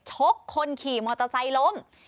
ชกคนขี่มอเตอร์ไซค์ล้ม